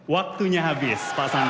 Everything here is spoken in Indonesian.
waktunya habis pak sandi